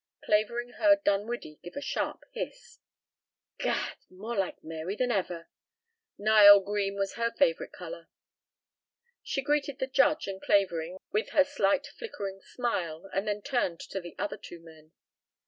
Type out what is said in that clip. Clavering heard Dinwiddie give a sharp hiss. "Gad! More like Mary than ever. Nile green was her favorite color." She greeted the Judge and Clavering with her slight flickering smile and then turned to the other two men.